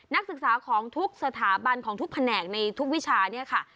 นักศึกษาของทุกสถาบันของทุกแผนกในทุกวิชาเนี่ยค่ะ